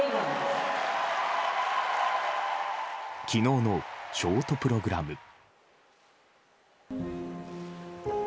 昨日のショートプログラム。